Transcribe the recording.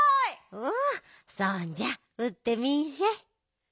おおそんじゃうってみんしゃい。